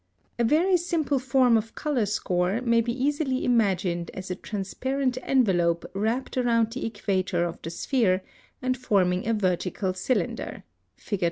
(134) A very simple form of color score may be easily imagined as a transparent envelope wrapped around the equator of the sphere, and forming a vertical cylinder (Fig.